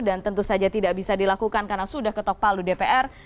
tentu saja tidak bisa dilakukan karena sudah ketok palu dpr